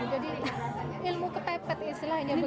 jadi ilmu kepepet istilahnya begitu